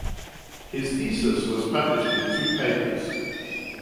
His thesis was published in two papers.